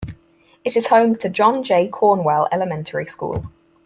It is home to John J. Cornwell Elementary School.